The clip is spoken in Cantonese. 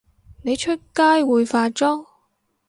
你出街會化妝？